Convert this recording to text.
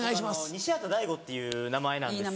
西畑大吾っていう名前なんです。